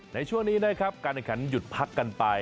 ในช่วงนี้การแขนขันหยุดพักกันไป